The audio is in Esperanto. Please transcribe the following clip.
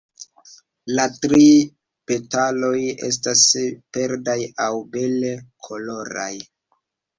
La tri petaloj estas verdaj aŭ bele koloraj.